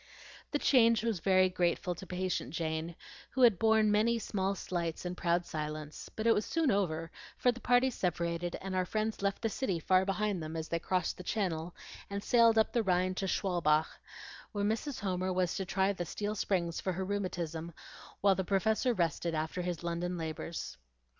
The change was very grateful to patient Jane, who had borne many small slights in proud silence; but it was soon over, for the parties separated, and our friends left the city far behind them, as they crossed the channel, and sailed up the Rhine to Schwalbach, where Mrs. Homer was to try the steel springs for her rheumatism while the Professor rested after his London labors.